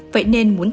vậy nên muốn tăng